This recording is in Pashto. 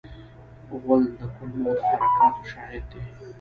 غول د کولمو د حرکاتو شاهد دی.